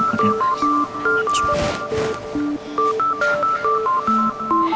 bukunya telepon aku ya